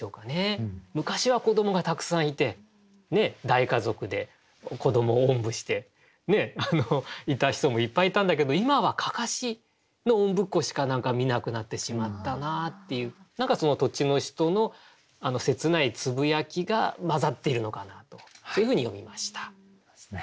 昔は子どもがたくさんいて大家族で子どもをおんぶしていた人もいっぱいいたんだけど今は案山子のおんぶっ子しか見なくなってしまったなっていう何かその土地の人の切ないつぶやきが混ざっているのかなとそういうふうに読みました。